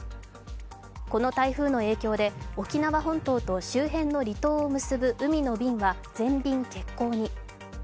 この台風の影響で、沖縄本島と周辺の離島を結ぶ海の便は全便欠航に。